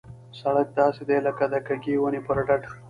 سړک داسې دی لکه د کږې ونې پر ډډ.